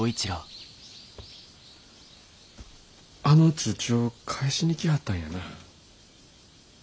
あの通帳返しに来はったんやな。